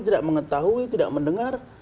tidak mengetahui tidak mendengar